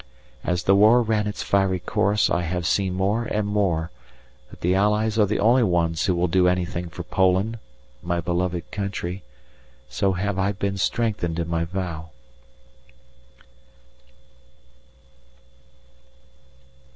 As the war ran its fiery course, I have seen more and more that the Allies are the only ones who will do anything for Poland, my beloved country, so have I been strengthened in my vow.